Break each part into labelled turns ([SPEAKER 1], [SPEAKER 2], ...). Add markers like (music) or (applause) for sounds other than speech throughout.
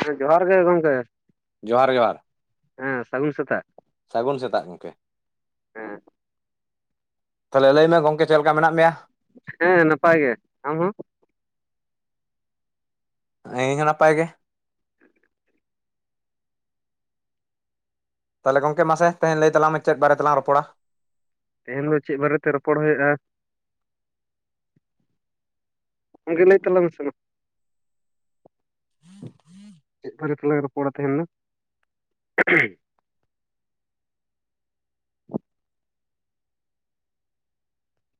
[SPEAKER 1] ᱦᱮᱸ ᱡᱚᱦᱟᱨ ᱜᱮ ᱜᱚᱝᱠᱮ
[SPEAKER 2] ᱡᱚᱦᱟᱨ ᱡᱚᱦᱟᱨ
[SPEAKER 1] ᱦᱮᱸ ᱥᱟᱹᱜᱩᱱ ᱥᱚᱛᱟᱼᱜ
[SPEAKER 2] ᱥᱟᱹᱜᱩᱱ ᱥᱮᱛᱟᱜ ᱜᱚᱢᱠᱮ
[SPEAKER 1] ᱦᱮᱸ
[SPEAKER 2] ᱛᱟᱦᱚᱞᱮ ᱞᱟᱹᱭ ᱢᱮ ᱜᱚᱝᱠᱮ ᱪᱮᱫ ᱞᱮᱠᱟ ᱢᱮᱱᱟᱜ ᱢᱮᱭᱟ
[SPEAKER 1] ᱦᱮᱸ ᱱᱟᱯᱟᱭ ᱜᱮ ᱟᱢ ᱦᱚᱸ
[SPEAKER 2] ᱤᱧ ᱦᱚᱸ ᱱᱟᱯᱟᱭ ᱜᱮ ᱛᱟᱦᱚᱞᱮ ᱜᱚᱝᱠᱮ ᱢᱟᱥᱮ ᱛᱮᱦᱮᱧ ᱞᱟᱹᱭ ᱛᱟᱞᱟᱝ ᱢᱮ ᱪᱮᱫ ᱵᱟᱨᱮ ᱛᱮᱞᱟᱝ ᱨᱚᱯᱚᱲᱟ
[SPEAKER 1] ᱛᱮᱦᱮᱧ ᱫᱚ ᱪᱮᱫ ᱵᱟᱨᱮᱛᱮ ᱨᱚᱯᱚᱲ ᱦᱩᱭᱩᱜᱼᱟ ᱜᱚᱱᱠᱮ ᱞᱟᱹᱭ ᱛᱞᱟᱝ ᱢᱮᱥᱮ ᱡᱟ
[SPEAKER 2] (inaudible)
[SPEAKER 1] ᱪᱮᱫ ᱵᱟᱨᱮ ᱛᱮᱞᱟᱝ ᱨᱚᱯᱚᱲᱟ ᱛᱮᱦᱮᱧ ᱫᱚ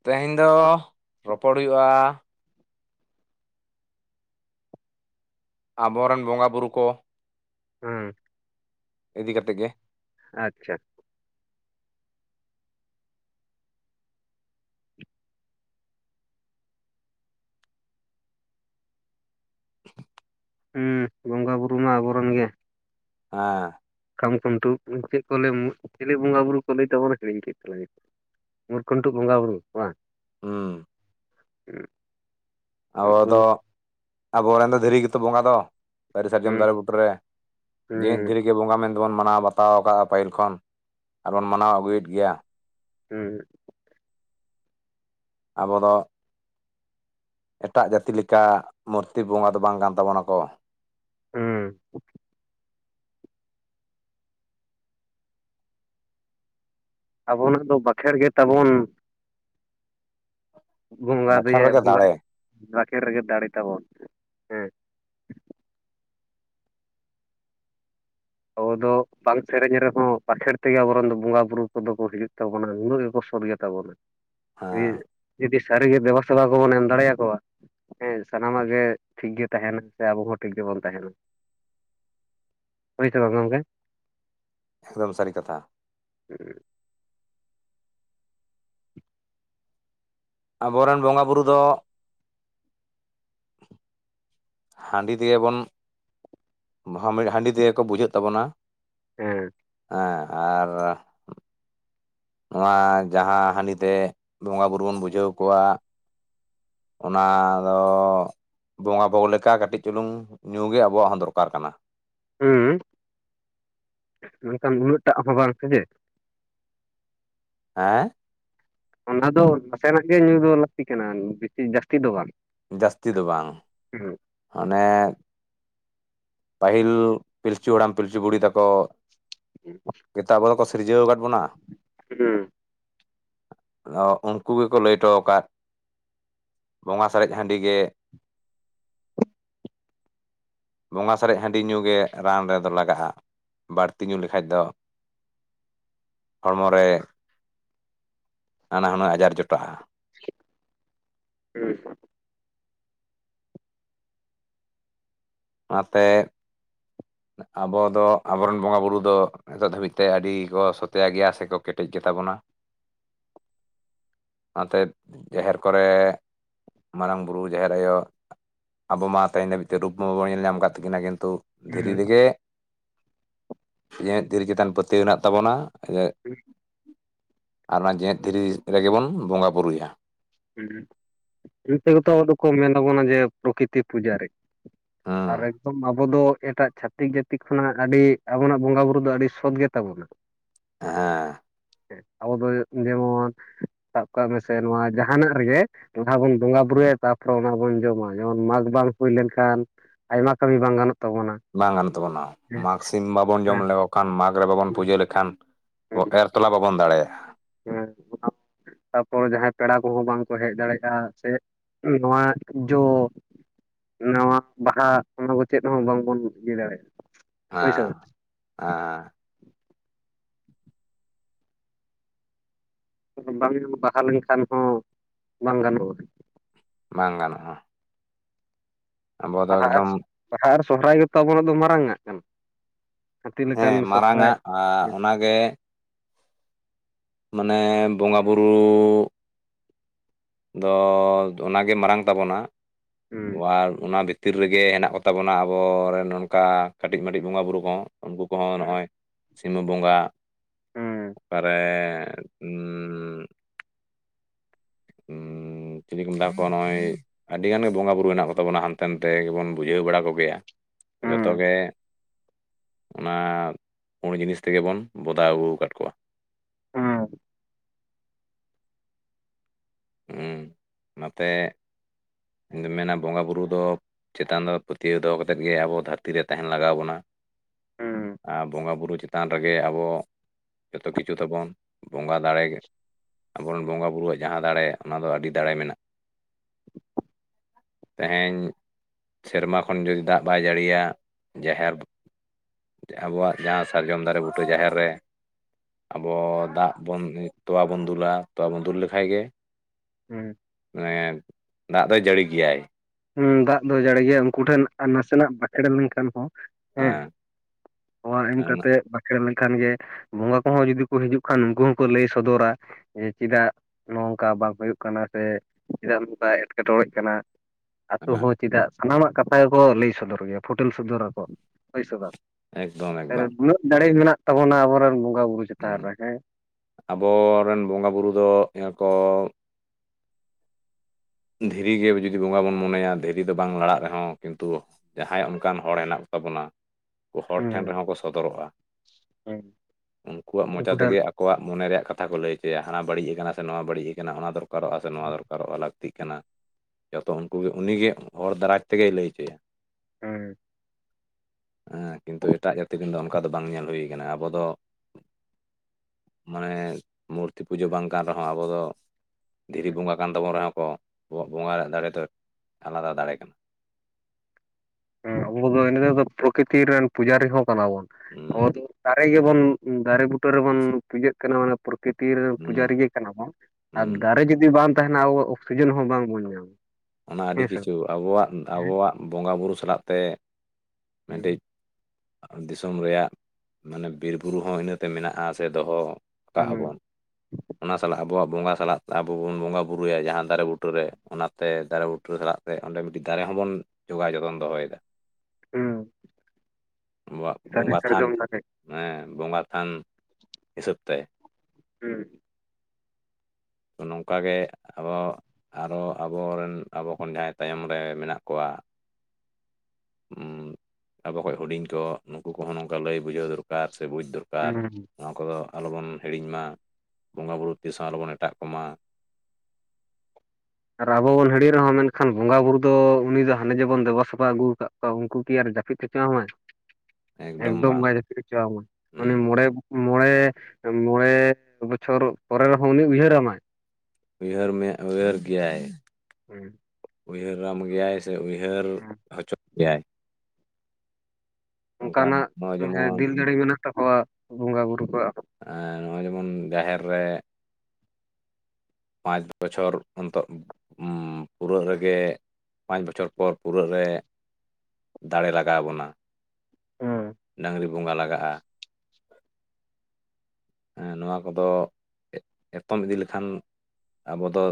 [SPEAKER 2] ᱛᱮᱦᱮᱧ ᱫᱚ ᱨᱚᱯᱚᱲ ᱦᱩᱭᱩᱜᱼᱟ ᱟᱵᱚᱨᱮᱱ ᱵᱚᱸᱜᱟ ᱵᱩᱨᱩ ᱠᱚ
[SPEAKER 1] ᱦᱩᱸ
[SPEAKER 2] ᱤᱫᱤ ᱠᱟᱛᱮᱫ ᱜᱮ
[SPEAKER 1] ᱟᱪᱪᱷᱟ ᱦᱮᱸ ᱵᱚᱸᱜᱟ ᱵᱩᱨᱩ ᱢᱟ ᱟᱵᱚᱨᱮᱱ ᱜᱮ
[SPEAKER 2] ᱦᱮᱸ
[SPEAKER 1] ᱠᱷᱟᱢ ᱠᱷᱩᱱᱴᱩᱣ ᱩᱱᱠᱩ ᱪᱤᱞᱤ ᱵᱚᱸᱜᱟ ᱵᱩᱨᱩ ᱠᱚ ᱞᱟᱹᱭ ᱛᱟᱵᱚᱱᱟ ᱦᱤᱲᱤᱧ ᱠᱮᱫ ᱛᱟᱞᱟᱝ ᱤᱧ ᱢᱩᱨᱠᱷᱱᱴᱩ ᱵᱚᱸᱜᱟ ᱵᱩᱨᱩ ᱵᱟᱝ
[SPEAKER 2] ᱦᱩᱸ
[SPEAKER 1] (unintelligible)
[SPEAKER 2] ᱟᱵᱚ ᱫᱚ ᱟᱵᱚᱨᱮᱱ ᱫᱚ ᱫᱷᱤᱨᱤ ᱜᱮᱛᱚ ᱵᱚᱸᱜᱟ ᱫᱚ ᱥᱟᱹᱨᱤ ᱥᱟᱨᱡᱚᱢ
[SPEAKER 1] ᱦᱩᱸ
[SPEAKER 2] ᱫᱟᱨᱮ ᱵᱩᱴᱟᱹᱨ ᱨᱮ
[SPEAKER 1] ᱦᱩᱸ
[SPEAKER 2] ᱜᱮ ᱵᱚᱸᱜᱟ ᱢᱮᱱ ᱫᱚᱵᱚᱱ ᱢᱟᱱᱟᱣ ᱵᱟᱛᱟᱣ ᱟᱠᱟᱟᱜᱼᱟ ᱯᱟᱹᱦᱤᱞ ᱠᱷᱚᱱ ᱟᱨᱵᱚᱱ ᱢᱟᱱᱟᱣ ᱟᱹᱜᱩᱭᱮᱫ ᱜᱮᱭᱟ
[SPEAKER 1] ᱦᱮᱸ
[SPEAKER 2] ᱟᱵᱚ ᱫᱚ ᱮᱴᱟᱜ ᱡᱟᱹᱛᱤ ᱞᱮᱠᱟ ᱢᱩᱨᱛᱤ ᱵᱚᱸᱜᱟ ᱫᱚ ᱵᱟᱝ ᱠᱟᱱ ᱛᱟᱵᱚᱱᱟᱠᱚ
[SPEAKER 1] ᱦᱩᱸ ᱟᱵᱚᱱᱟᱜ ᱫᱚ ᱵᱟᱸᱠᱷᱮᱬ ᱜᱮ ᱛᱟᱵᱚᱱ ᱵᱚᱸᱜᱟ
[SPEAKER 2] ᱵᱟᱠᱷᱟᱱ
[SPEAKER 1] ᱫᱚᱭᱟ
[SPEAKER 2] ᱨᱮᱜᱮ
[SPEAKER 1] ᱵᱚᱸᱜᱟ
[SPEAKER 2] ᱫᱟᱲᱮ
[SPEAKER 1] ᱵᱟᱠᱷᱬ ᱨᱮᱜᱮ ᱫᱟᱲᱮ ᱛᱟᱵᱚᱱ ᱦᱮᱸ ᱟᱵᱚ ᱫᱚ ᱵᱟᱝ ᱥᱮᱨᱮᱧ ᱨᱮᱦᱚᱸ ᱯᱟᱷᱮᱬ ᱛᱮᱜᱮ ᱟᱵᱚ ᱨᱮᱱ ᱫᱚ ᱵᱚᱸᱜᱟ ᱵᱩᱨᱩ ᱠᱚᱫᱚ ᱠᱚ ᱦᱤᱡᱩᱜ ᱛᱟᱵᱚᱱᱟ ᱱᱩᱱᱟᱹᱜ ᱜᱮᱠᱚ ᱥᱫ ᱜᱮ ᱛᱟᱵᱚᱱᱟ
[SPEAKER 2] ᱦᱮᱸ
[SPEAKER 1] ᱡᱩᱫᱤ ᱥᱟᱹᱨᱤᱜᱮ ᱫᱮᱵᱟᱥᱮᱵᱟ ᱠᱚᱵᱚᱱ ᱮᱢ ᱫᱟᱲᱮᱭᱟᱠᱚᱣᱟ ᱦᱮᱸ ᱥᱟᱱᱟᱢᱟᱜ ᱜᱮ ᱴᱷᱤᱠ ᱜᱮ ᱛᱟᱦᱮᱱᱟ ᱥᱮ ᱟᱵᱚ ᱦᱚᱸ ᱴᱷᱤᱠ ᱜᱮᱵᱚᱱ ᱛᱟᱦᱮᱸᱱᱟ ᱦᱳᱭ ᱥᱮ ᱵᱟᱝ ᱜᱚᱢᱠᱮ
[SPEAKER 2] ᱮᱠᱫᱚᱢ ᱥᱟᱹᱨᱤ ᱠᱟᱛᱷᱟ
[SPEAKER 1] (unintelligible)
[SPEAKER 2] ᱟᱵᱚᱨᱮᱱ ᱵᱚᱸᱜᱟ ᱵᱩᱨᱩ ᱫᱚ ᱦᱟᱺᱰᱤ ᱛᱮᱜᱮ ᱵᱚᱱ ᱦᱟᱺᱰᱤ ᱛᱮᱜᱮᱠᱚ ᱯᱩᱡᱟᱹᱜ ᱛᱟᱵᱚᱱᱟ
[SPEAKER 1] ᱦᱮᱸ
[SPEAKER 2] ᱦᱮᱸ ᱟᱨ ᱱᱚᱣᱟ ᱡᱟᱦᱟᱸ ᱦᱟᱺᱰᱤ ᱛᱮ ᱵᱚᱸᱜᱟ ᱵᱩᱨᱩ ᱵᱚᱱ ᱵᱩᱡᱷᱟᱹᱣ ᱠᱚᱣᱟ ᱚᱱᱟ ᱫᱚ ᱵᱚᱸᱜᱟᱼ ᱵᱷᱳᱜ ᱞᱮᱠᱟ ᱠᱟᱹᱴᱤᱡ ᱪᱩᱞᱩᱝ ᱧᱩ ᱜᱮ ᱟᱵᱚᱣᱟᱜ ᱦᱚᱸ ᱫᱚᱨᱠᱟᱨ ᱠᱟᱱᱟ
[SPEAKER 1] ᱦᱩᱸ ᱢᱮᱱᱠᱷᱟᱱ ᱩᱱᱟᱹᱜᱴᱟᱜ ᱦᱚᱸ ᱵᱟᱝ ᱥᱮ ᱪᱮᱫ
[SPEAKER 2] ᱦᱮᱸ
[SPEAKER 1] ᱚᱱᱟ ᱫᱚ ᱱᱟᱥᱮᱱᱟᱜ ᱜᱮ ᱧᱩ ᱫᱚ ᱞᱟᱹᱠᱛᱤ ᱠᱟᱱᱟ ᱵᱮᱥᱤ ᱡᱟᱹᱥᱛᱤ ᱫᱚ ᱵᱟᱝ
[SPEAKER 2] ᱡᱟᱹᱥᱛᱤ ᱫᱚ ᱵᱟᱝ
[SPEAKER 1] (unintelligible)
[SPEAKER 2] ᱢᱟᱱᱮᱫ ᱯᱟᱹᱦᱤᱞ ᱯᱤᱞᱪᱩ ᱦᱟᱲᱟᱢ ᱯᱤᱞᱪᱩ ᱵᱩᱲᱦᱤ ᱛᱟᱠᱚ
[SPEAKER 1] (unintelligible)
[SPEAKER 2] ᱜᱮᱛᱟᱜ ᱵᱚᱞᱮ ᱠᱚ ᱥᱤᱨᱡᱟᱹᱣ ᱟᱠᱟᱫ ᱵᱚᱱᱟ
[SPEAKER 1] (unintelligible)
[SPEAKER 2] ᱫᱚ ᱩᱱᱠᱩ ᱜᱮᱠᱚ ᱞᱟᱹᱭ ᱦᱚᱴᱚ ᱟᱠᱟᱫ ᱵᱚᱸᱜᱟ ᱥᱟᱨᱮᱡ ᱦᱟᱺᱰᱤ ᱜᱮ ᱵᱚᱸᱜᱟ ᱥᱟᱨᱮᱡ ᱦᱟᱹᱰᱤ ᱧᱩ ᱜᱮ ᱨᱟᱱ ᱨᱮᱫᱚ ᱞᱟᱜᱟᱜᱼᱟ ᱵᱟᱹᱲᱛᱤ ᱧᱩ ᱞᱮᱠᱷᱟᱡ ᱫᱚ ᱦᱚᱲᱢᱚ ᱨᱮ ᱱᱟᱱᱟᱦᱩᱱᱟᱹᱨ ᱟᱡᱟᱨ ᱡᱚᱴᱟᱜᱼᱟ
[SPEAKER 1] ᱦᱮᱸ
[SPEAKER 2] ᱚᱱᱟᱛᱮ ᱟᱵᱚ ᱫᱚ ᱟᱵᱚᱨᱮᱱ ᱵᱚᱸᱜᱟ ᱵᱩᱨᱩ ᱫᱚ ᱱᱤᱛᱚᱜ ᱫᱷᱟᱹᱵᱤᱡ ᱛᱮ ᱟᱹᱰᱤ ᱠᱚ ᱥᱚᱛᱮ ᱜᱮᱭᱟ ᱥᱮᱠᱚ ᱠᱮᱴᱮᱡ ᱜᱮ ᱛᱟᱵᱚᱱᱟ
[SPEAKER 1] (unintelligible)
[SPEAKER 2] ᱱᱚᱛᱮ ᱡᱟᱦᱮᱨ ᱠᱚᱨᱮ ᱢᱟᱨᱟᱝ ᱵᱩᱨᱩ ᱡᱟᱦᱮᱨ ᱟᱭᱳ ᱟᱵᱚ ᱢᱟ ᱛᱮᱦᱮᱧ ᱫᱷᱟᱹᱵᱤᱡ ᱛᱮ ᱨᱩᱯ ᱢᱳᱵᱟᱤᱞ ᱮᱢ ᱟᱠᱟᱫ ᱛᱟᱹᱠᱤᱱᱟ ᱠᱤᱱᱛᱩ ᱫᱷᱤᱨᱤ
[SPEAKER 1] ᱦᱩᱸ
[SPEAKER 2] ᱨᱤᱜᱮ ᱤᱧᱟᱹᱜ ᱫᱷᱤᱨᱤ ᱪᱮᱛᱟᱱ ᱯᱟᱹᱛᱭᱟᱹᱣ ᱢᱮᱱᱟᱜ ᱛᱟᱵᱚᱱᱟ
[SPEAKER 1] (inaudible)
[SPEAKER 2] ᱟᱨ ᱚᱱᱟ ᱡᱮᱣᱸᱮᱫ ᱫᱷᱤᱨᱤ ᱨᱮᱜᱮ ᱵᱚᱱ ᱵᱚᱸᱜᱟ ᱵᱩᱨᱩᱭᱟ
[SPEAKER 1] ᱚᱱᱛᱮᱜᱚᱛᱚ ᱟᱵᱚ ᱫᱚᱠᱚ ᱢᱮᱱ ᱛᱟᱵᱚᱱᱟ ᱡᱮ ᱯᱨᱚᱠᱤᱛᱤ ᱯᱩᱡᱟᱨᱤ ᱟᱨ
[SPEAKER 2] ᱦᱩᱸ
[SPEAKER 1] ᱮᱠᱫᱚᱢ ᱟᱵᱚ ᱫᱚ ᱮᱴᱟᱜ ᱪᱷᱟᱹᱛᱤᱠ ᱡᱟᱹᱛ ᱛᱤᱠ ᱠᱷᱚᱱᱟᱜ ᱟᱹᱰᱤ ᱟᱵᱚᱱᱟᱜ ᱵᱚᱸᱜᱟ ᱵᱩᱨᱩ ᱫᱚ ᱟᱹᱰᱤ ᱥᱚᱛ ᱜᱮᱛᱟᱵᱚᱱᱟ
[SPEAKER 2] ᱦᱮᱸ
[SPEAKER 1] ᱟᱵᱚ ᱫᱚ ᱡᱮᱢᱚᱱ ᱥᱟᱵ ᱠᱟᱜ ᱢᱮᱥᱮ ᱱᱚᱣᱟ ᱡᱟᱦᱟᱱᱟᱜ ᱨᱮᱜᱮ ᱞᱟᱦᱟ ᱵᱚᱱ ᱵᱚᱸᱜᱟ ᱵᱩᱨᱩᱭᱟ ᱛᱟᱯᱚᱨᱮ ᱚᱱᱟ ᱵᱚᱱ ᱡᱚᱢᱟ ᱡᱮᱢᱚᱱ ᱢᱟᱜᱽ ᱵᱟᱝ ᱦᱩᱭ ᱞᱮᱱᱠᱷᱟᱱ ᱟᱭᱢᱟ ᱠᱟᱹᱢᱤ ᱵᱟᱝ ᱜᱟᱱᱚᱜ ᱛᱟᱵᱚᱱᱟ
[SPEAKER 2] ᱵᱟᱝ ᱜᱟᱱᱚᱜ ᱛᱟᱵᱚᱱᱟ
[SPEAKER 1] ᱦᱮᱸ
[SPEAKER 2] ᱢᱟᱜᱽ ᱥᱤᱢ ᱵᱟᱵᱚᱱ ᱡᱚᱢ
[SPEAKER 1] ᱦᱮᱸ
[SPEAKER 2] ᱞᱮᱠᱚ ᱠᱷᱟᱱ ᱢᱟᱜᱽ ᱨᱮ ᱵᱟᱵᱚᱱ ᱯᱩᱡᱟᱹ ᱞᱮᱠᱷᱟᱱ ᱮᱨ ᱛᱚᱞᱟ ᱵᱟᱵᱚᱱ ᱫᱟᱲᱮᱭᱟᱜᱼᱟ
[SPEAKER 1] ᱦᱮᱸ ᱛᱟᱯᱚᱨ ᱡᱟᱦᱟᱸᱭ ᱯᱮᱲᱟ ᱠᱚᱦᱚᱸ ᱵᱟᱝᱠᱚ ᱦᱮᱡ ᱫᱟᱲᱮᱭᱟᱜᱼᱟ ᱥᱮ ᱱᱚᱣᱟ ᱡᱚ ᱱᱟᱣᱟ ᱵᱟᱦᱟ ᱚᱱᱟ ᱠᱚ ᱪᱮᱫ ᱦᱚᱸ ᱵᱟᱝᱵᱚᱱ ᱤᱭᱟᱹ ᱫᱟᱲᱮᱭᱟᱜᱼᱟ ᱦᱳᱭ ᱥᱮ
[SPEAKER 2] ᱦᱮᱸ ᱦᱮᱸ
[SPEAKER 1] ᱵᱟᱝ ᱧᱩ ᱵᱟᱦᱟ ᱞᱮᱱᱠᱷᱟᱱ ᱦᱚᱸ ᱵᱟᱝ ᱜᱟᱱᱚᱜᱼᱟ
[SPEAKER 2] ᱵᱟᱝ ᱜᱟᱱᱚᱜᱼᱟ ᱟᱵᱚ ᱫᱚ ᱮᱠᱫᱚᱢ
[SPEAKER 1] (unintelligible) ᱵᱟᱦᱟ ᱟᱨ ᱥᱚᱦᱨᱟᱭ ᱜᱮᱛᱚ ᱟᱵᱚᱱᱟᱜ ᱫᱚ ᱢᱟᱨᱟᱝ ᱟᱜ ᱠᱟᱱᱟ ᱦᱟᱹᱛᱤ ᱞᱮᱠᱟᱱ
[SPEAKER 2] ᱦᱮᱸ ᱢᱟᱨᱟᱝ
[SPEAKER 1] ᱥᱚᱦᱨᱟᱭ
[SPEAKER 2] ᱟᱜ ᱚᱱᱟ ᱜᱮ ᱢᱟᱱᱮ ᱵᱚᱸᱜᱟ ᱵᱩᱨᱩ ᱫᱚ ᱚᱱᱟᱜᱮ ᱢᱟᱨᱟᱝ ᱛᱟᱵᱚᱱᱟ
[SPEAKER 1] ᱦᱩᱸ
[SPEAKER 2] ᱟᱨ ᱚᱱᱟ ᱵᱷᱤᱛᱤᱨ ᱵᱷᱤᱛᱤᱨ ᱨᱮᱜᱮ ᱦᱮᱱᱟᱜ ᱠᱚᱛᱟ ᱵᱚᱱᱟ ᱟᱵᱚᱨᱮᱱ ᱱᱚᱝᱠᱟ ᱠᱟᱹᱴᱤᱡ ᱢᱟᱹᱴᱤᱡ ᱵᱚᱸᱜᱟ ᱵᱩᱨᱩ ᱠᱚᱦᱚᱸ ᱩᱱᱠᱩ ᱠᱚᱦᱚᱸ
[SPEAKER 1] ᱦᱩᱸ
[SPEAKER 2] ᱱᱚᱜᱼᱚᱭ ᱥᱤᱢᱟᱹ ᱵᱚᱸᱜᱟ
[SPEAKER 1] ᱦᱩᱸ
[SPEAKER 2] ᱚᱠᱟᱨᱮ ᱩᱸ ᱪᱤᱞᱤ ᱠᱚ ᱢᱮᱛᱟᱣᱟᱠᱚ ᱠᱟᱱᱟ ᱮᱭ ᱟᱹᱰᱤᱜᱟᱱ ᱜᱮ ᱵᱚᱸᱜᱟ ᱵᱩᱨᱩ ᱢᱮᱱᱟᱜ ᱠᱚ ᱛᱟᱵᱚᱱᱟ ᱦᱟᱱᱛᱮ ᱱᱟᱛᱮ ᱜᱮᱵᱚᱱ ᱵᱩᱡᱷᱟᱹᱣ ᱵᱟᱲᱟ ᱠᱚᱜᱮᱭᱟ ᱡᱚᱛᱚ ᱜᱮ ᱚᱱᱟ ᱯᱩᱸᱬ ᱡᱤᱱᱤᱥ ᱛᱮᱜᱮ ᱵᱚᱱ ᱵᱚᱫᱟᱣ ᱟᱹᱜᱩ ᱟᱠᱟᱫ ᱠᱚᱣᱟ
[SPEAKER 1] ᱦᱮᱸ
[SPEAKER 2] ᱦᱩᱸ ᱚᱱᱟᱛᱮ ᱤᱧᱫᱩᱧ ᱢᱮᱱᱟ ᱵᱚᱸᱜᱟ ᱵᱩᱨᱩ ᱫᱚ ᱪᱮᱛᱟᱱ ᱫᱚ ᱯᱟᱹᱛᱭᱟᱹᱣ ᱫᱚᱦᱚ ᱠᱟᱛᱮᱫ ᱜᱮ ᱟᱵᱚ ᱫᱷᱟᱹᱨᱛᱤ ᱨᱮ ᱛᱟᱦᱮᱱ ᱞᱟᱜᱟᱣ ᱵᱚᱱᱟ
[SPEAKER 1] ᱦᱩᱸ
[SPEAKER 2] ᱟᱨ ᱵᱚᱸᱜᱟ ᱵᱩᱨᱩ ᱪᱮᱛᱟᱱ ᱨᱮᱜᱮ ᱟᱵᱚ ᱡᱚᱛᱚ ᱠᱤᱪᱷᱩ ᱛᱟᱵᱚᱱ ᱵᱚᱸᱜᱟ ᱫᱟᱲᱮᱜᱮ ᱟᱵᱚᱨᱮᱱ ᱵᱚᱸᱜᱟ ᱵᱩᱨᱩᱣᱟᱜ ᱡᱟᱦᱟᱸ ᱫᱟᱲᱮ ᱚᱱᱟ ᱫᱚ ᱟᱹᱰᱤ ᱫᱟᱲᱮ ᱢᱮᱱᱟᱜᱼᱟ ᱛᱮᱦᱮᱧ ᱥᱮᱨᱢᱟ ᱠᱷᱚᱱ ᱡᱩᱫᱤ ᱫᱟᱜ ᱵᱟᱭ ᱡᱟᱹᱲᱤᱭᱟ ᱡᱟᱦᱮᱨ ᱟᱵᱚᱣᱟᱜ ᱡᱟᱦᱟᱸ ᱥᱟᱨᱡᱚᱢ ᱫᱟᱨᱮ ᱵᱩᱴᱟᱹ ᱡᱟᱦᱮᱨ ᱨᱮ ᱟᱵᱚ ᱫᱟᱜ ᱵᱚᱱ ᱛᱚᱣᱟ ᱵᱚᱱ ᱫᱩᱞᱟ ᱛᱚᱣᱟ ᱵᱚᱱ ᱫᱩᱞ ᱞᱮᱠᱷᱟᱡ ᱜᱮ
[SPEAKER 1] ᱦᱩᱸ
[SPEAKER 2] ᱮᱸ ᱫᱟᱜ ᱫᱚᱭ ᱡᱟᱹᱲᱤ ᱜᱮᱭᱟᱭ
[SPEAKER 1] ᱩᱸ ᱫᱟᱜ ᱫᱚᱭ ᱡᱟᱲᱤ ᱜᱮᱭᱟ ᱩᱱᱠᱩ ᱴᱷᱮᱱ ᱟᱨ ᱱᱟᱥᱮᱱᱟᱜ ᱵᱟᱠᱷᱮᱬ ᱞᱮᱱᱠᱷᱟᱱ ᱦᱚᱸ ᱦᱮᱸ ᱱᱚᱶᱟ ᱮᱢ
[SPEAKER 2] ᱦᱮᱸ
[SPEAKER 1] ᱠᱟᱛᱮᱫ ᱥᱮᱴᱮᱨ ᱞᱮᱱᱠᱷᱟᱱ ᱜᱮ ᱵᱚᱸᱜᱟ ᱠᱚᱦᱚᱸ ᱡᱩᱫᱤ ᱠᱚ ᱦᱤᱡᱩᱜ ᱠᱷᱟᱱ ᱩᱱᱠᱩ ᱦᱚᱸᱠᱚ ᱞᱟᱹᱭ ᱥᱚᱫᱚᱨᱟ ᱡᱮ ᱪᱮᱫᱟᱜ ᱱᱚᱝᱠᱟ ᱵᱟᱝ ᱦᱩᱭᱩᱜ ᱠᱟᱱᱟ ᱥᱮ ᱪᱮᱫᱟᱜ ᱱᱚᱝᱠᱟ ᱮᱴᱠᱮᱴᱚᱬᱮᱜ ᱠᱟᱱᱟ? ᱟᱛᱩ ᱦᱚᱸ ᱪᱮᱫᱟᱜ ᱥᱟᱱᱟᱢᱟᱜ ᱠᱟᱛᱷᱟ ᱜᱮᱠᱚ ᱞᱟᱹᱭ ᱥᱚᱫᱚᱨ ᱜᱮᱭᱟ ᱯᱷᱳᱚᱴᱮᱞ ᱥᱚᱫᱚᱨᱟᱠᱚ ᱞᱟᱹᱭ ᱥᱚᱫᱚᱨ ᱦᱳᱨ ᱥᱮ ᱵᱟᱝ
[SPEAKER 2] ᱮᱠᱫᱚᱢ
[SPEAKER 1] ᱟᱨᱮ
[SPEAKER 2] ᱮᱠᱫᱚᱢ
[SPEAKER 1] ᱱᱩᱱᱟᱹᱜ ᱫᱟᱲᱮ ᱢᱮᱱᱟᱜ ᱛᱟᱵᱚᱱᱟ ᱟᱵᱚᱨᱮᱱ ᱵᱚᱸᱜᱟ ᱵᱩᱨᱩ
[SPEAKER 2] ᱦᱩᱸ
[SPEAKER 1] ᱪᱮᱛᱟᱱ ᱨᱮ ᱦᱮᱸ
[SPEAKER 2] ᱟᱵᱚᱨᱮᱱ ᱵᱚᱸᱜᱟ ᱵᱩᱨᱩ ᱫᱚ ᱤᱭᱟᱹ ᱠᱚ ᱫᱷᱤᱨᱤ ᱜᱮ ᱡᱩᱫᱤ ᱵᱚᱸᱜᱟ ᱵᱚᱱ ᱢᱚᱱᱮᱭᱟ ᱫᱷᱤᱨᱤ ᱫᱚ ᱵᱟᱝ ᱞᱟᱲᱟᱜ ᱨᱮᱦᱚᱸ ᱠᱤᱱᱛᱩ ᱡᱟᱦᱟᱸᱭ ᱚᱱᱠᱟᱱ ᱦᱚᱲ ᱦᱮᱱᱟᱜ ᱠᱚ ᱛᱟᱵᱚᱱᱟ ᱩᱱᱠᱩ ᱦᱚᱲ ᱴᱷᱮᱱ
[SPEAKER 1] ᱦᱩᱸ
[SPEAKER 2] ᱨᱮᱦᱚᱸ ᱠᱚ ᱥᱚᱫᱚᱨᱚᱜᱼᱟ
[SPEAKER 1] ᱦᱩᱸ
[SPEAKER 2] ᱩᱱᱠᱩᱣᱟᱜ ᱢᱚᱪᱟ
[SPEAKER 1] ᱩᱱᱠᱩ ᱴᱷᱮᱱ
[SPEAKER 2] ᱛᱮᱜᱮ ᱟᱠᱚᱣᱟᱜ ᱢᱚᱱᱮ ᱨᱮᱭᱟᱜ ᱠᱟᱛᱷᱟ ᱠᱚ ᱞᱟᱹᱭ ᱦᱚᱪᱚᱭᱟ ᱦᱟᱱᱟ ᱵᱟᱹᱲᱤᱡ ᱟᱠᱟᱱᱟ ᱥᱮ ᱱᱚᱣᱟ ᱵᱟᱹᱲᱤᱡ ᱟᱠᱟᱱᱟ ᱚᱱᱟ ᱫᱚᱨᱠᱟᱨᱚᱜᱼᱟ ᱥᱮ ᱱᱚᱣᱟ ᱫᱚᱨᱠᱟᱨᱚᱜ ᱟᱞᱟᱜᱽ ᱞᱟᱹᱠᱛᱤᱜ ᱠᱟᱱᱟ ᱡᱚᱛᱚ ᱩᱱᱠᱩ ᱩᱱᱤ ᱜᱮ ᱦᱚᱲ ᱫᱟᱨᱟᱡᱽ ᱛᱮᱜᱮᱭ ᱞᱟᱹᱭ ᱦᱚᱪᱚᱭᱟ
[SPEAKER 1] ᱦᱳᱭ
[SPEAKER 2] ᱦᱮᱸ ᱠᱤᱱᱛᱩ ᱮᱴᱟᱜ ᱡᱟᱹᱛᱤ ᱠᱤᱱ ᱫᱚ ᱚᱱᱠᱟ ᱫᱚ ᱵᱟᱝ ᱧᱮᱞ ᱦᱩᱭ ᱠᱟᱱᱟ ᱟᱵᱚ ᱫᱚ ᱢᱟᱱᱮ ᱢᱩᱨᱛᱤ ᱯᱩᱡᱟᱹ ᱵᱟᱝ ᱠᱟᱱ ᱨᱮᱦᱚᱸ ᱟᱵᱚ ᱫᱚ ᱫᱷᱤᱨᱤ
[SPEAKER 1] ᱦᱩᱸ
[SPEAKER 2] ᱵᱚᱸᱜᱟ ᱠᱟᱱ ᱛᱟᱵᱚᱱ ᱨᱮᱦᱚᱸ ᱠᱚ ᱟᱵᱚᱣᱟᱜ ᱵᱚᱸᱜᱟ ᱨᱮᱭᱟᱜ ᱫᱟᱲᱮ ᱫᱚ ᱟᱞᱟᱫᱟ ᱫᱟᱲᱮ ᱠᱟᱱᱟ
[SPEAKER 1] ᱦᱮᱸ ᱟᱵᱚ ᱫᱚ ᱱᱤᱛᱚᱜ ᱫᱚ ᱯᱨᱚᱠᱤᱛᱤᱨ ᱨᱮᱱ ᱯᱩᱡᱟᱨᱤ ᱦᱚᱸ ᱠᱟᱱᱟ ᱵᱚᱱ ᱟᱵᱚ
[SPEAKER 2] ᱦᱩᱸ
[SPEAKER 1] ᱫᱚ ᱫᱟᱨᱮ ᱜᱮᱵᱚᱱ ᱫᱟᱨᱮ ᱵᱩᱴᱟᱹ ᱨᱮᱵᱚᱱ ᱯᱩᱡᱟᱹᱜ ᱠᱟᱱᱟ ᱢᱟᱱᱮ ᱯᱨᱚᱠᱤᱛᱤ ᱨᱮ ᱯᱩᱡᱟ
[SPEAKER 2] ᱦᱩᱸ
[SPEAKER 1] ᱨᱮᱜᱮ ᱵᱚᱱ ᱟᱨ
[SPEAKER 2] ᱦᱩᱸ
[SPEAKER 1] ᱫᱟᱨᱮ ᱡᱩᱫᱤ ᱵᱟᱝ ᱛᱟᱦᱮᱱᱟ ᱟᱵᱚᱣᱟᱜ ᱚᱠᱥᱤᱡᱮᱱ ᱦᱚᱸ ᱵᱟᱝ ᱵᱚᱱ ᱧᱟᱢᱟ
[SPEAKER 2] ᱚᱱᱟ ᱟᱹᱰᱤ
[SPEAKER 1] ᱦᱮᱸ ᱥᱮ
[SPEAKER 2] ᱠᱤᱪᱷᱩ ᱟᱵᱚᱣᱟᱜ
[SPEAKER 1] ᱵᱟᱝ?
[SPEAKER 2] ᱟᱵᱚᱣᱟᱜ ᱵᱚᱸᱜᱟᱼᱵᱩᱨᱩ ᱥᱟᱞᱟᱜ ᱛᱮ ᱢᱤᱫ ᱴᱤᱡ ᱫᱤᱥᱚᱢ ᱨᱮᱭᱟᱜ ᱢᱟᱱᱮ ᱵᱤᱨ ᱵᱩᱨᱩ ᱦᱚᱸ ᱤᱱᱟᱹᱛᱮ ᱢᱮᱱᱟᱜᱼᱟ ᱥᱮ ᱫᱚᱦᱚ
[SPEAKER 1] ᱦᱩᱸ
[SPEAKER 2] ᱚᱠᱟᱜ-ᱟᱵᱚᱱ ᱚᱱᱟ ᱥᱟᱞᱟᱜ ᱟᱵᱚᱣᱟᱜ ᱵᱚᱸᱜᱟ ᱥᱟᱞᱟᱜ ᱟᱵᱚ ᱵᱚᱱ ᱵᱚᱸᱜᱟ ᱵᱩᱨᱩᱭᱟ ᱡᱟᱦᱟᱸ ᱫᱟᱨᱮ ᱵᱩᱴᱟᱹᱨᱮ ᱚᱱᱟ ᱛᱮ ᱫᱟᱨᱮ ᱵᱩᱴᱟᱹ ᱥᱟᱞᱟᱜ ᱛᱮ ᱚᱸᱰᱮ ᱢᱤᱫ ᱴᱤᱡ ᱫᱟᱨᱮ ᱦᱚᱸᱵᱚᱱ ᱡᱚᱜᱟᱣ ᱡᱚᱛᱚᱱ ᱫᱚᱦᱚᱭᱮᱫᱟ
[SPEAKER 1] ᱦᱩᱸ
[SPEAKER 2] ᱟᱵᱚᱣᱟᱜ
[SPEAKER 1] ᱥᱟᱨᱤ
[SPEAKER 2] ᱵᱚᱸᱜᱟ ᱛᱷᱟᱱ
[SPEAKER 1] ᱥᱟᱨᱡᱚᱢ ᱫᱟᱨᱮ
[SPEAKER 2] ᱢᱟᱱᱮ ᱵᱚᱸᱜᱟ ᱛᱷᱟᱱ ᱦᱤᱥᱟᱹᱵᱽ ᱛᱮ
[SPEAKER 1] ᱦᱩᱸ
[SPEAKER 2] ᱱᱚᱝᱠᱟ ᱜᱮ ᱟᱵᱚ ᱟᱨᱚ ᱟᱵᱚᱨᱮᱱ ᱟᱵᱚ ᱠᱷᱚᱱ ᱡᱟᱦᱟᱸᱭ ᱛᱟᱭᱚᱢ ᱨᱮ ᱢᱮᱱᱟᱜ ᱠᱚᱣᱟ ᱟᱵᱚ ᱠᱷᱚᱱᱚᱡ ᱦᱩᱰᱤᱧ ᱠᱚ ᱱᱩᱠᱩ ᱠᱚᱦᱚᱸ ᱱᱚᱝᱠᱟ ᱞᱟᱹᱭ ᱵᱩᱡᱷᱟᱹᱣ ᱫᱚᱨᱠᱟᱨ ᱥᱮ ᱵᱩᱡ ᱫᱚᱨᱠᱟᱨ ᱟᱨ
[SPEAKER 1] ᱦᱩᱸ
[SPEAKER 2] ᱱᱚᱶᱟ ᱠᱚᱫᱚ ᱟᱞᱚᱵᱚᱱ ᱦᱤᱲᱤᱧ ᱢᱟ ᱵᱚᱸᱜᱟ ᱵᱩᱨᱩ ᱛᱤᱥ ᱦᱚᱸ ᱟᱞᱚᱵᱚᱱ ᱮᱴᱟᱜ ᱠᱚᱢᱟ
[SPEAKER 1] ᱟᱨ ᱟᱵᱚ ᱵᱚᱱ ᱦᱤᱲᱤᱧ ᱨᱮᱦᱚᱸ ᱢᱮᱱᱠᱷᱟᱱ ᱵᱚᱸᱜᱟ ᱵᱩᱨᱩ ᱫᱚ ᱩᱱᱤ ᱫᱚ ᱦᱟᱱᱮ ᱡᱮᱢᱚᱱ ᱫᱮᱵᱟ ᱥᱮᱵᱟ ᱟᱹᱜᱩ ᱟᱠᱟᱫ ᱩᱱᱠᱩ ᱠᱤ ᱟᱨ ᱡᱟᱹᱯᱤᱫ ᱦᱚᱪᱚᱣᱟᱢᱟ ᱮᱠᱫᱚᱢ ᱵᱟᱭ ᱡᱟᱹᱯᱤᱫ ᱦᱚᱪᱚᱣᱟᱢᱟ
[SPEAKER 2] ᱦᱩᱸ
[SPEAKER 1] ᱩᱱᱤ ᱢᱚᱬᱮ ᱢᱚᱬᱮ ᱢᱚᱬᱮ ᱵᱚᱪᱷᱚᱨ ᱯᱚᱨᱮ ᱨᱮᱦᱚᱸ ᱩᱱᱤ ᱩᱭᱦᱟᱹᱨᱢᱟᱭ
[SPEAKER 2] ᱩᱭᱦᱟᱹᱨ ᱢᱮ ᱩᱭᱦᱟᱹᱨ ᱜᱮᱭᱟᱭ
[SPEAKER 1] ᱦᱮᱸ
[SPEAKER 2] ᱩᱭᱦᱟᱹᱨᱟᱢ ᱜᱮᱭᱟᱭ ᱥᱮ ᱩᱭᱦᱟᱹᱨ ᱦᱚᱪᱚ ᱢᱮᱭᱟᱭ ᱚᱱᱠᱟ
[SPEAKER 1] ᱚᱱᱠᱟᱱᱟᱜ
[SPEAKER 2] ᱱᱚᱜᱼᱚᱭ ᱡᱮᱢᱚᱱ
[SPEAKER 1] ᱫᱤᱞ ᱫᱟᱹᱲᱤ ᱢᱮᱱᱟᱜ ᱛᱟᱠᱚᱣᱟ ᱵᱚᱸᱜᱟ ᱵᱩᱨᱩ ᱠᱚᱣᱟᱜ
[SPEAKER 2] ᱱᱚᱜᱼᱚᱭ ᱡᱮᱢᱚᱱ ᱡᱟᱦᱮᱨ ᱨᱮ ᱯᱟᱸᱪ ᱵᱚᱪᱷᱚᱨ ᱚᱱᱛᱚᱨ ᱯᱩᱨᱟᱹᱜ ᱨᱮᱜᱮ ᱯᱟᱸᱪ ᱵᱚᱪᱷᱚᱨ ᱯᱚᱨ ᱯᱩᱨᱟᱹᱜ ᱨᱮ ᱫᱟᱲᱮ ᱞᱟᱜᱟᱣ ᱵᱚᱱᱟ
[SPEAKER 1] ᱦᱮᱸ
[SPEAKER 2] ᱰᱟᱝᱨᱤ ᱵᱚᱸᱜᱟ ᱞᱟᱜᱟᱜᱼᱟ
[SPEAKER 1] (inaudible)
[SPEAKER 2] ᱦᱮ ᱱᱚᱶᱟ ᱠᱚᱫᱚ ᱮᱛᱚᱢ ᱤᱫᱤ ᱞᱮᱠᱷᱟᱱ ᱟᱵᱚ ᱫᱚ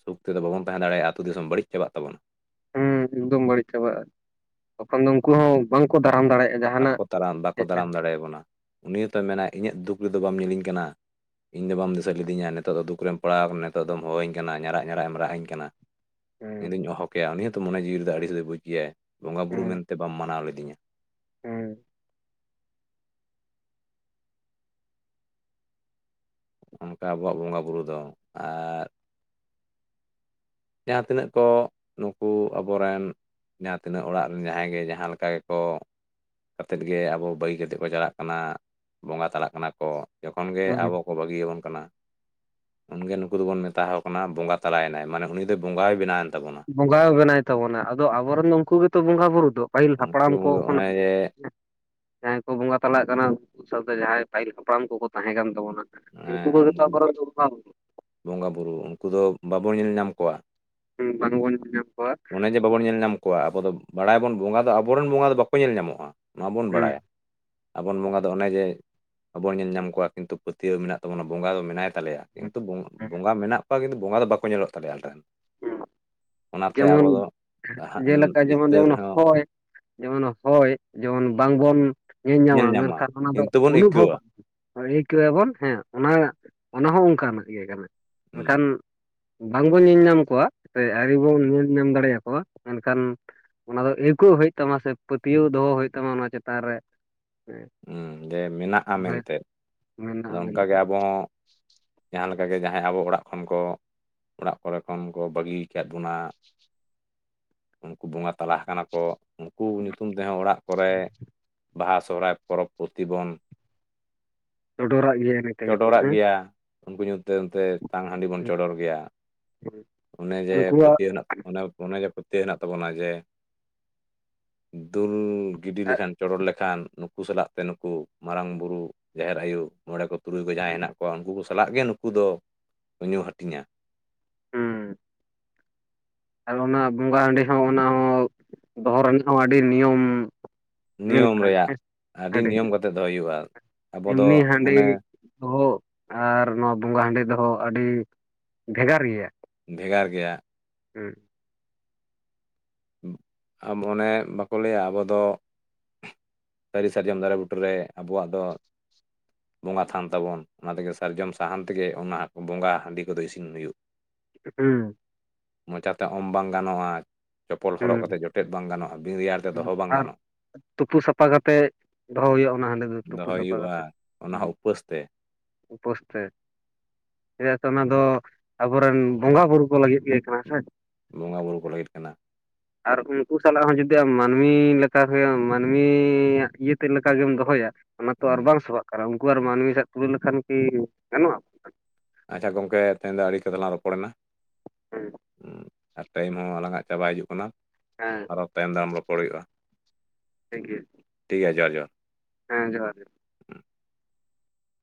[SPEAKER 2] ᱥᱩᱠ ᱛᱮᱫᱚ ᱵᱟᱵᱚᱱ ᱛᱟᱦᱮᱸ ᱫᱟᱲᱮᱭᱟᱜᱼᱟ ᱟ ᱟᱹᱛᱩ ᱫᱤᱥᱚᱢ ᱵᱟᱹᱲᱤᱡ ᱪᱟᱵᱟᱜ ᱛᱟᱵᱚᱱᱟ
[SPEAKER 1] ᱦᱮᱸ ᱮᱠᱫᱚᱢ ᱵᱟᱹᱲᱤᱡ ᱪᱟᱵᱟᱜᱼᱟ ᱛᱚᱠᱷᱚᱱ ᱫᱚ ᱩᱱᱠᱩ ᱦᱚᱸ ᱵᱟᱝᱠᱚ ᱫᱟᱨᱟᱢ ᱫᱟᱲᱮᱭᱟᱜᱼᱟ ᱡᱟᱦᱟᱱᱟᱜ
[SPEAKER 2] ᱵᱟᱠᱚ ᱫᱟᱨᱟᱢ ᱵᱟᱠᱚ
[SPEAKER 1] ᱦᱮᱡ ᱞᱮᱱ
[SPEAKER 2] ᱫᱟᱨᱟᱢ ᱫᱟᱲᱮᱭᱟᱵᱚᱱᱟ ᱩᱱᱤ ᱦᱚᱸᱛᱚᱭ ᱢᱮᱱᱟ ᱤᱧᱟᱹᱜ ᱫᱩᱠ ᱨᱮᱫᱚ ᱵᱟᱢ ᱧᱮᱞᱤᱧ ᱠᱟᱱᱟ ᱤᱧ ᱫᱚ ᱵᱟᱢ ᱫᱤᱥᱟᱹ ᱞᱤᱫᱤᱧᱟ ᱱᱤᱛᱚᱜ ᱫᱚ ᱫᱩᱠ ᱨᱮᱢ ᱯᱟᱲᱟᱣ ᱟᱠᱟᱱᱟ ᱱᱤᱛᱚᱜ ᱫᱚᱢ ᱦᱚᱦᱣᱟᱹᱧ ᱠᱟᱱᱟ ᱧᱟᱲᱟᱜ ᱧᱟᱲᱟᱜ ᱮᱢ ᱨᱟᱜ ᱟᱹᱧ ᱠᱟᱱᱟ ᱤᱧᱫᱩᱧ ᱦᱚᱦᱚ ᱠᱮᱭᱟ ᱩᱱᱤ ᱦᱚᱸᱛᱚ ᱢᱚᱱᱮ ᱡᱤᱣᱤ ᱨᱮ ᱫᱚ ᱟᱹᱰᱤ ᱥᱮᱫᱚᱭ ᱵᱩᱡᱽ ᱜᱮᱭᱟᱭ ᱵᱚᱸᱜᱟ ᱵᱩᱨᱩ ᱢᱮᱱᱛᱮ ᱵᱟᱢ ᱢᱟᱱᱟᱣ ᱞᱤᱫᱤᱧᱟ
[SPEAKER 1] ᱦᱮᱸ
[SPEAKER 2] ᱱᱚᱝᱠᱟ ᱟᱵᱚᱣᱟᱜ ᱵᱚᱸᱜᱟ ᱵᱩᱨᱩ ᱫᱚ ᱟᱨ ᱡᱟᱦᱟᱸ ᱛᱤᱱᱟᱹᱜ ᱠᱚ ᱱᱩᱠᱩ ᱟᱵᱚᱨᱮᱱ ᱡᱟᱦᱟᱸ ᱛᱤᱱᱟᱹᱜ ᱚᱲᱟᱜ ᱨᱮᱱ ᱡᱟᱦᱟᱸᱭ ᱜᱮ ᱡᱟᱦᱟᱸ ᱞᱮᱠᱟ ᱜᱮᱠᱚ ᱠᱟᱛᱮᱫ ᱜᱮ ᱟᱵᱚ ᱵᱟᱹᱜᱤ ᱠᱟᱛᱮ ᱠᱚ ᱪᱟᱞᱟᱜ ᱠᱟᱱᱟ ᱵᱚᱸᱜᱟ ᱪᱟᱞᱟᱜ ᱠᱟᱱᱟ ᱠᱚ ᱡᱚᱠᱷᱚᱱ ᱜᱮ
[SPEAKER 1] ᱦᱩᱸ
[SPEAKER 2] ᱟᱵᱚ ᱵᱟᱹᱜᱤᱭᱟᱵᱚᱱ ᱠᱟᱱᱟ ᱩᱱᱜᱮ ᱱᱩᱠᱩ ᱫᱚᱵᱚᱱ ᱢᱮᱛᱟ ᱠᱟᱱᱟ ᱵᱚᱸᱜᱟ ᱛᱟᱞᱟᱭᱮᱱᱟᱭᱟᱱ ᱵᱚᱸᱜᱟᱭ ᱵᱮᱱᱟᱣᱮᱱ ᱛᱟᱵᱚᱱᱟ
[SPEAKER 1] ᱵᱚᱸᱜᱟᱭ ᱵᱮᱱᱟᱭ ᱛᱟᱵᱚᱱᱟ ᱟᱫᱚ ᱟᱵᱚᱨᱮᱱ ᱫᱚ ᱩᱱᱠᱩ ᱜᱮᱛᱚ ᱵᱚᱸᱜᱟ ᱵᱩᱨᱩ ᱫᱚ ᱯᱟᱹᱦᱤᱞ ᱦᱟᱯᱲᱟᱢ
[SPEAKER 2] ᱩᱱᱠᱩ
[SPEAKER 1] ᱠᱚ
[SPEAKER 2] ᱫᱚ ᱚᱱᱮ
[SPEAKER 1] ᱠᱷᱚᱱᱟᱜ
[SPEAKER 2] ᱡᱮ
[SPEAKER 1] ᱡᱟᱦᱟᱸᱭ ᱠᱚ ᱵᱚᱸᱜᱟ ᱛᱟᱞᱟᱜ ᱠᱟᱱᱟ ᱩᱱᱠᱩ ᱥᱟᱶᱛᱮ ᱡᱟᱦᱟᱸᱭ ᱯᱟᱹᱤᱞ ᱦᱟᱯᱲᱟᱢ ᱠᱚᱠᱚ ᱛᱟᱦᱮᱸ ᱠᱟᱱ ᱛᱟᱵᱚᱱᱟ
[SPEAKER 2] ᱦᱮᱸ ᱩᱱᱠᱩ
[SPEAKER 1] (unintelligible)
[SPEAKER 2] ᱵᱚᱸᱜᱟ ᱵᱩᱨᱩ ᱩᱱᱠᱩ ᱫᱚ ᱵᱟᱵᱚᱱ ᱧᱮᱞ ᱧᱟᱢ ᱠᱚᱣᱟ
[SPEAKER 1] ᱦᱩᱸ ᱵᱟᱝᱵᱚᱱ ᱧᱮᱞ ᱧᱟᱢ ᱠᱚᱣᱟ
[SPEAKER 2] ᱚᱱᱮ ᱡᱮ ᱵᱟᱵᱚᱱ ᱧᱮᱞ ᱧᱟᱢ ᱟᱵᱚ ᱫᱚ ᱵᱟᱲᱟᱭ ᱵᱚᱱ ᱵᱚᱸᱜᱟ ᱫᱚ ᱟᱵᱚᱨᱮᱱ ᱵᱚᱸᱜᱟ ᱫᱚ ᱵᱟᱠᱚ ᱧᱮᱞ ᱧᱟᱢᱚᱜ-ᱟ ᱱᱚᱣᱟ ᱵᱚᱱ
[SPEAKER 1] ᱦᱩᱸ
[SPEAKER 2] ᱵᱟᱲᱟᱭᱟ ᱟᱵᱚᱱ ᱵᱚᱸᱜᱟ ᱫᱚ ᱚᱱᱮ ᱡᱮ ᱟᱵᱚᱱ ᱧᱮᱞ ᱧᱟᱢ ᱠᱚᱣᱟ ᱠᱤᱱᱛᱩ ᱯᱟᱹᱛᱭᱟᱹᱣ ᱢᱮᱱᱟᱜ ᱛᱟᱵᱚᱱᱟ ᱵᱚᱸᱜᱟ ᱫᱚ ᱢᱮᱱᱟᱭ ᱛᱟᱞᱮᱭᱟ ᱠᱤᱱᱛᱩ ᱵᱚᱸᱜᱟ ᱢᱮᱱᱟᱜ ᱠᱚᱣᱟ ᱠᱤᱱᱛᱩ ᱵᱚᱸᱜᱟ ᱫᱚ ᱵᱟᱠᱚ ᱧᱮᱞᱚᱜ ᱛᱟᱞᱮᱭᱟ ᱟᱞᱮ ᱨᱮᱱ ᱚᱱᱟᱛᱮ ᱟᱵᱚ
[SPEAKER 1] ᱡᱮᱢᱚᱱ
[SPEAKER 2] ᱫᱚ
[SPEAKER 1] ᱡᱮᱞᱮᱠᱟ ᱡᱮᱢᱚᱱ
[SPEAKER 2] ᱵᱷᱤᱛᱟᱹᱨ
[SPEAKER 1] ᱡᱮᱢᱚᱱ
[SPEAKER 2] ᱨᱮᱦᱚᱸ
[SPEAKER 1] ᱦᱚᱭ ᱡᱮᱢᱚᱱ ᱦᱚᱭ ᱡᱮᱢᱚᱱ ᱵᱟᱝᱵᱚᱱ ᱧᱮᱞ ᱧᱟᱢᱟ ᱢᱮᱱᱠᱷᱟᱱ ᱚᱱᱟ ᱫᱚ
[SPEAKER 2] ᱠᱤᱱᱛᱩ ᱵᱚᱱ
[SPEAKER 1] ᱚᱱᱩᱵᱷᱚᱵᱽ
[SPEAKER 2] ᱟᱹᱭᱠᱟᱹᱣᱟ
[SPEAKER 1] ᱟᱹᱭᱠᱟᱹᱣ ᱟᱵᱚᱱ ᱦᱮᱸ ᱚᱱᱟ ᱚᱱᱟ ᱦᱚᱸ ᱚᱱᱠᱟᱱᱟᱜ ᱜᱮ ᱠᱟᱱᱟ
[SPEAKER 2] ᱦᱩᱸ
[SPEAKER 1] ᱮᱱᱠᱷᱟᱱ ᱵᱟᱝᱵᱚᱱ ᱧᱮᱞ ᱧᱟᱢ ᱠᱚᱣᱟ ᱟᱹᱰᱤ ᱵᱚᱱ ᱧᱮᱞ ᱧᱟᱢ ᱫᱟᱲᱮᱭᱟᱠᱚᱣᱟ ᱢᱮᱱᱠᱷᱟᱱ ᱚᱱᱟ ᱫᱚ ᱟᱹᱭᱠᱟᱹᱜ ᱦᱩᱭᱩᱜ ᱛᱟᱢᱟ ᱥᱮ ᱯᱟᱹᱛᱭᱟᱹᱣ ᱫᱚᱦᱚ ᱦᱩᱭᱩᱜ ᱛᱟᱢᱟ ᱚᱱᱟ ᱪᱮᱛᱟᱱ ᱨᱮ
[SPEAKER 2] ᱦᱮᱸ ᱡᱮ ᱢᱮᱱᱟᱜ-ᱟ
[SPEAKER 1] ᱛᱚᱵᱮ
[SPEAKER 2] ᱢᱮᱱᱛᱮ ᱟᱫᱚ
[SPEAKER 1] ᱢᱮᱱᱟᱜᱼᱟ
[SPEAKER 2] ᱚᱱᱠᱟᱜᱮ
[SPEAKER 1] ᱢᱮᱱᱛᱮ
[SPEAKER 2] ᱟᱵᱚ ᱦᱚ ᱡᱟᱦᱟᱸ ᱞᱮᱠᱟ ᱜᱮ ᱡᱟᱦᱟᱸᱭ ᱟᱵᱚ ᱚᱲᱟᱜ ᱠᱷᱚᱱ ᱠᱚ ᱚᱲᱟᱜ ᱠᱚᱨᱮ ᱠᱷᱚᱱ ᱠᱚ ᱵᱟᱹᱜᱤ ᱠᱟᱜ ᱵᱚᱱᱟ ᱩᱱᱠᱩ ᱵᱚᱸᱜᱟ ᱛᱟᱞᱟ ᱠᱟᱱᱟ ᱠᱚ ᱩᱱᱠᱩ ᱧᱩᱛᱩᱢ ᱛᱮᱦᱚᱸ ᱚᱲᱟᱜ ᱠᱚᱨᱮ ᱵᱟᱦᱟ ᱥᱚᱦᱨᱟᱭ ᱯᱚᱨᱚᱵᱽ ᱯᱩᱛᱤ ᱵᱚᱱ
[SPEAKER 1] ᱪᱚᱰᱚᱨᱟᱜ ᱜᱮᱭᱟ ᱤᱱᱟᱹ ᱛᱮᱜᱮ ᱛᱚ
[SPEAKER 2] ᱪᱚᱰᱚᱨᱟᱜ
[SPEAKER 1] ᱦᱮᱸ
[SPEAKER 2] ᱜᱮᱭᱟ ᱩᱱᱠᱩ ᱧᱩᱛᱩᱢᱛᱮ ᱛᱟᱝ ᱦᱟᱺᱰᱤ ᱵᱚᱱ ᱪᱚᱰᱚᱨ ᱜᱮᱭᱟ ᱚᱱᱮ ᱡᱮ
[SPEAKER 1] ᱩᱱᱠᱩᱣᱟᱜ
[SPEAKER 2] ᱯᱟᱹᱛᱭᱟᱹᱣ ᱦᱮᱱᱟᱜ ᱚᱱᱟ ᱚᱱᱮ ᱡᱮ ᱯᱟᱹᱛᱭᱟᱹᱣ ᱦᱮᱱᱟᱜ ᱛᱟᱵᱚᱱᱟ ᱡᱮ ᱫᱩᱞ ᱜᱤᱰᱤ ᱞᱮᱠᱷᱟᱱ ᱪᱚᱰᱚᱨ ᱞᱮᱠᱷᱟᱱ ᱱᱩᱠᱩ ᱥᱟᱞᱟᱜ ᱛᱮ ᱱᱩᱠᱩ ᱢᱟᱨᱟᱝ ᱵᱩᱨᱩ ᱡᱟᱦᱮᱨ ᱟᱭᱩ ᱢᱚᱬᱮ ᱠᱚ ᱛᱩᱨᱩᱭ ᱠᱚ ᱡᱟᱦᱟᱸᱭ ᱦᱮᱱᱟᱜ ᱠᱚᱣᱟ ᱩᱱᱠᱩ ᱠᱚ ᱥᱟᱞᱟᱜ ᱜᱮ ᱱᱩᱠᱩ ᱫᱚ ᱧᱩ ᱦᱟᱹᱴᱤᱧᱟ
[SPEAKER 1] ᱦᱩᱸ ᱟᱨ ᱚᱱᱟ ᱵᱚᱸᱜᱟ ᱦᱟᱰᱤ ᱦᱚᱸ ᱚᱱᱟ ᱦᱚᱸ ᱫᱚᱦᱚ ᱨᱮᱱᱟᱜ ᱦᱚᱸ ᱟᱹᱰᱤ ᱱᱤᱭᱚᱢ
[SPEAKER 2] ᱱᱤᱭᱚᱢ ᱨᱮᱭᱟᱜ ᱟᱹᱰᱤ ᱱᱤᱭᱚᱢ ᱠᱟᱛᱮᱫ ᱫᱚᱦᱚᱭ ᱦᱩᱭᱩᱜᱼᱟ ᱟᱵᱚ
[SPEAKER 1] (unintelligible)
[SPEAKER 2] ᱫᱚ
[SPEAKER 1] ᱮᱢᱱᱤ ᱦᱟᱸᱰᱤ
[SPEAKER 2] ᱚᱱᱮ
[SPEAKER 1] ᱫᱚᱦᱚ ᱟᱨ ᱱᱚᱣᱟ ᱵᱚᱸᱜᱟ ᱦᱟᱺᱰᱤ ᱫᱚᱦᱚ ᱟᱹᱰᱤ ᱵᱷᱮᱜᱟᱨ ᱜᱮᱭᱟ
[SPEAKER 2] ᱵᱷᱮᱜᱟᱨ ᱜᱮᱭᱟ
[SPEAKER 1] ᱦᱮᱸ
[SPEAKER 2] ᱟᱢ ᱚᱱᱮ ᱵᱟᱠᱚ ᱞᱟᱹᱭᱟ ᱟᱵᱚ ᱫᱚ ᱥᱟᱹᱨᱤ ᱥᱟᱨᱡᱚᱢ ᱫᱟᱨᱮ ᱵᱩᱴᱟᱹ ᱨᱮ ᱟᱵᱚᱣᱟᱜ ᱫᱚ ᱵᱚᱸᱜᱟ ᱛᱷᱟᱱ ᱛᱟᱵᱚᱱ ᱚᱱᱟ ᱛᱮᱜᱮ ᱥᱟᱨᱡᱚᱢ ᱥᱟᱦᱟᱱ ᱛᱮᱜᱮ ᱚᱱᱟ ᱵᱚᱸᱜᱟ ᱦᱟᱺᱰᱤ ᱠᱚᱫᱚ ᱤᱥᱤᱱ ᱦᱩᱭᱩᱜ
[SPEAKER 1] ᱦᱩᱸ
[SPEAKER 2] ᱢᱚᱪᱟᱛᱮ ᱚᱢ ᱵᱟᱝ ᱜᱟᱱᱚᱜ-ᱟ
[SPEAKER 1] ᱦᱩᱸ
[SPEAKER 2] ᱨᱮᱭᱟᱲ ᱛᱮ ᱫᱚᱦᱚ ᱵᱟᱝ
[SPEAKER 1] ᱟᱨ
[SPEAKER 2] ᱜᱟᱱᱚᱜᱼᱟ
[SPEAKER 1] ᱛᱩᱯᱩ ᱥᱟᱯᱷᱟ ᱠᱟᱛᱮ ᱫᱚᱦᱚ ᱦᱩᱭᱩᱜ-ᱟ ᱚᱱᱟ ᱦᱟᱺᱰᱤ ᱫᱚ ᱛᱩᱯᱩ
[SPEAKER 2] ᱫᱚᱦᱚᱭ
[SPEAKER 1] ᱥᱟᱯᱷᱟ
[SPEAKER 2] ᱦᱩᱭᱩᱜᱼᱟ
[SPEAKER 1] ᱠᱟᱛᱮᱫ
[SPEAKER 2] ᱚᱱᱟ ᱦᱚᱸ
[SPEAKER 1] ᱦᱮᱸ
[SPEAKER 2] ᱩᱯᱟᱹᱥ ᱛᱮ
[SPEAKER 1] ᱩᱯᱟᱹᱥ ᱛᱮ (unintelligible) ᱚᱱᱟ ᱫᱚ ᱟᱵᱚᱨᱮᱱ ᱵᱚᱸᱜᱟ ᱵᱳᱩᱨᱩᱳ ᱠᱚ ᱞᱟᱹᱜᱤᱫ ᱜᱮ (inaudible) ᱥᱮ
[SPEAKER 2] ᱵᱚᱸᱜᱟ ᱵᱩᱨᱩ ᱠᱚ ᱞᱟᱹᱜᱤᱫ ᱠᱟᱱᱟ
[SPEAKER 1] ᱟᱨ ᱩᱱᱠᱩ ᱥᱟᱞᱟᱜ ᱦᱚᱸ ᱡᱩᱫᱤ ᱟᱢ ᱢᱟᱹᱱᱢᱤ ᱞᱮᱠᱟᱜ ᱢᱟᱹᱱᱢᱤᱭᱟᱜ ᱤᱭᱟᱹᱛᱮ ᱞᱮᱠᱟᱜᱮᱢ ᱫᱚᱦᱚᱭᱟ ᱚᱱᱟ ᱛᱚ ᱟᱨ
[SPEAKER 2] ᱦᱩᱸ
[SPEAKER 1] ᱵᱟᱝ ᱥᱚᱵᱷᱟᱜ ᱠᱟᱱᱟ ᱩᱱᱠᱩ ᱟᱨ
[SPEAKER 2] ᱦᱩᱸ
[SPEAKER 1] ᱢᱟᱹᱱᱢᱤ ᱥᱮᱫ ᱛᱩᱞᱟᱹᱣ ᱞᱮᱠᱷᱟᱱ ᱠᱤ ᱜᱟᱱᱚᱜᱼᱟ
[SPEAKER 2] ᱟᱪᱷᱟ ᱜᱚᱢᱠᱮ ᱛᱮᱦᱮᱧ ᱟᱹᱰᱤ ᱠᱟᱛᱮᱫ ᱞᱟᱝ ᱨᱚᱯᱚᱲᱮᱱᱟ
[SPEAKER 1] ᱦᱮᱸ
[SPEAKER 2] ᱦᱩᱸ ᱟᱨ ᱴᱟᱭᱤᱢ ᱦᱚᱸ ᱟᱞᱟᱝᱼᱜ ᱪᱟᱵᱟᱟᱭ ᱦᱤᱡᱩᱜ ᱠᱟᱱᱟ
[SPEAKER 1] ᱦᱮᱸ
[SPEAKER 2] ᱟᱨᱚ ᱛᱟᱭᱚᱢ ᱫᱟᱨᱟᱢ ᱨᱚᱯᱚᱲ ᱦᱩᱭᱩᱜᱼᱟ
[SPEAKER 1] ᱴᱷᱤᱠ ᱜᱤᱭᱟ.
[SPEAKER 2] ᱴᱷᱤᱠ ᱜᱮᱭᱟ ᱡᱚᱦᱟᱨ ᱡᱟᱨ
[SPEAKER 1] ᱦᱮᱸ ᱡᱚᱦᱟᱨ ᱜᱮ